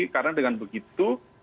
karena dengan begitu